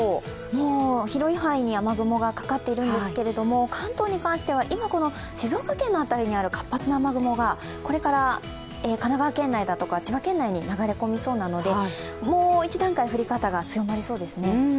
もう広い範囲に雨雲がかかっているんですけど関東に関しては今、静岡県の辺りにある活発な雨雲がこれから神奈川県内だとか千葉県内に流れ込みそうなのでもう一段階、降り方が強まりそうですね。